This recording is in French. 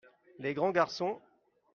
les grands garçons.